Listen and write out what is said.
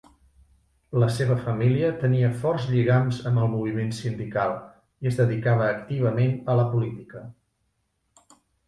La seva família tenia forts lligams amb el moviment sindical i es dedicava activament a la política.